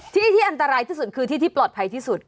ที่ที่อันตรายที่สุดคือที่ที่ปลอดภัยที่สุด